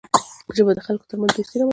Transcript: ژبه د خلکو ترمنځ دوستي رامنځته کوي